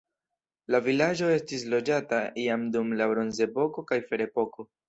La vilaĝo estis loĝata jam dum la bronzepoko kaj ferepoko.